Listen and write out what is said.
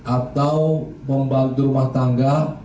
atau membantu rumah tangga